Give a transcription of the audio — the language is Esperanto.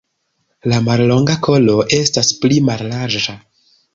La mallonga kolo estas pli mallarĝa.